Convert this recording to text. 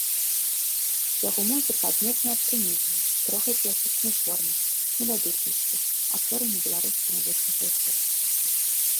Яго музыка адметная аптымізмам, строгай класічнай формай, меладычнасцю, апорай на беларускі музычны фальклор.